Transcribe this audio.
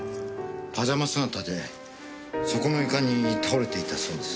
パジャマ姿でそこの床に倒れていたそうです。